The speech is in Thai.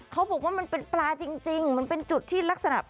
เขาบอกว่ามันเป็นปลาจริงมันเป็นจุดที่ลักษณะ